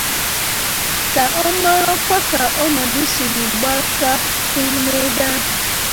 ka ọ marakwa ka ọnọdụ siri gbata kwụrụ n'ebe ahụ.